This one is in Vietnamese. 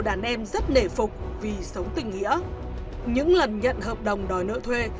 đàn em rất nể phục vì sống tình nghĩa những lần nhận hợp đồng đòi nợ thuê